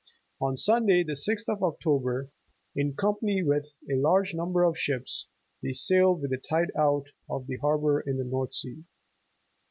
On Sunday, the 6th of October, ''in company with a large number of ships" they "sailed with the tide out of the harbor into the North Sea."